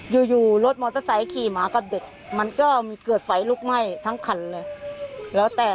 อยู่อยู่รถมอเตอร์ไซค์ขี่มากับเด็กมันก็เกิดไฟลุกไหม้ทั้งคันเลยแล้วแต่